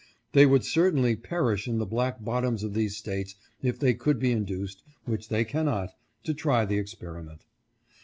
They would certainly perish in the black bottoms of these States if they could be induced, which they cannot, to try the experi ment.